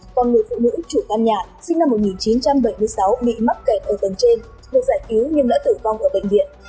còn người phụ nữ chủ căn nhà sinh năm một nghìn chín trăm bảy mươi sáu bị mắc kẹt ở tầng trên được giải cứu nhưng đã tử vong ở bệnh viện